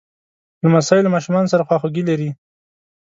لمسی له ماشومانو سره خواخوږي لري.